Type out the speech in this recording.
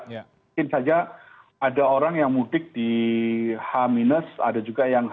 mungkin saja ada orang yang mudik di h ada juga yang h